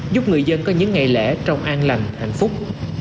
giúp người dân có những ngày lễ trong an lành hạnh phúc